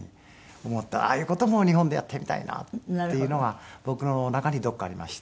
もっとああいう事も日本でやってみたいなっていうのは僕の中にどこかありました。